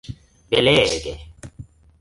belege